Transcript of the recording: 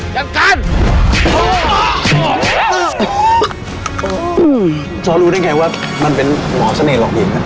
จะใกล้ใจหรือใกล้